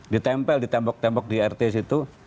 ditempel di tembok tembok di rt situ